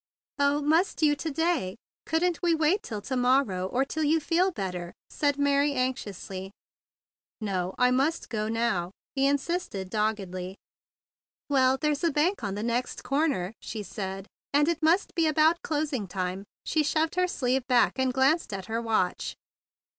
"Oh, must you, to day? Couldn't we wait till to morrow or till you feel bet¬ ter?" asked Mary anxiously. 134 THE BIG BLUE SOLDIER "No, I must go now," he insisted doggedly. "Well, there's a bank on the next comer," she said; "and it must be about closing time." She shoved her sleeve back, and glanced at her watch.